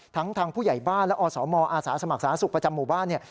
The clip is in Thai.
ทั้งทางผู้ใหญ่บ้านและอสมอาสาสมัครสาธารณสุขประจำหมู่บ้านเนี่ย